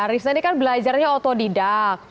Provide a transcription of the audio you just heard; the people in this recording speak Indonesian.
risna ini kan belajarnya otodidak